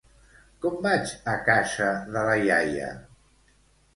Com vaig a casa de la iaia?